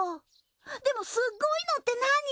でもすっごいのって何？